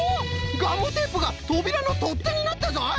ガムテープがとびらのとってになったぞい！